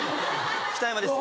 「北山」です。